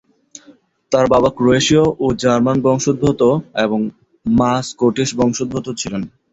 তার বাবা ক্রোয়েশীয় ও জার্মান বংশোদ্ভূত এবং মা স্কটিশ বংশোদ্ভূত ছিলেন।